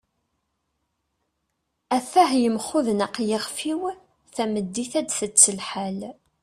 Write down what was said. at-ah yemxudneq yixef-iw, tameddit ad tett lḥal